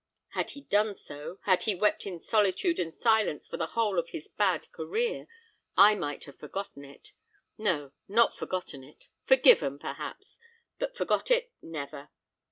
Had he done so, had he wept in solitude and silence for the whole of his bad career, I might have forgotten it: no, not forgotten it! forgiven, perhaps, but forgot it, never!